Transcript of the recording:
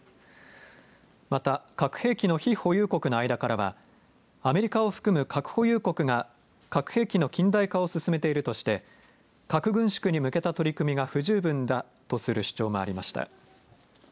また核兵器の非保有国の間からはアメリカを含む核保有国が核兵器の近代化を進めているとして核軍縮に向けた取り組みが不十分だとする主張もありました。